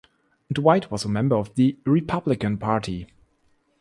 Dwight was a member of the Republican Party.